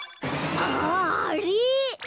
あっあれ！